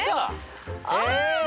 あ！